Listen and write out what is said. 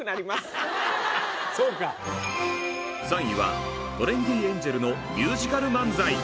３位はトレンディエンジェルのミュージカル漫才！